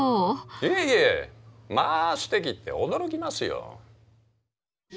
いえいえ「まあすてき！」って驚きますよ。